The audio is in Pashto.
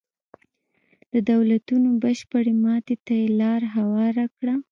د دولتونو بشپړې ماتې ته یې لار هواره کړه.